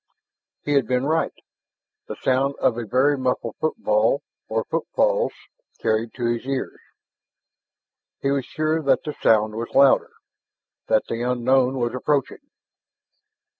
He had been right! The sound of a very muffled footfall or footfalls, carried to his ears. He was sure that the sound was louder, that the unknown was approaching.